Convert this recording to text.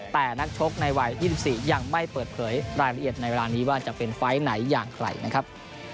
แต่นักชกในวัย๒๔ยังไม่เปิดเผยรายละเอียดในเวลานี้ว่าจะเป็นไฟล์ไหนอย่างไรนะครับ